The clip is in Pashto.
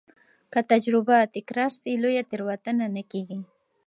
که تجربه تکرار سي، لویه تېروتنه نه کېږي.